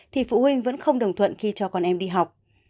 thì phụ huynh vẫn không đồng thuận khi cho con em đi học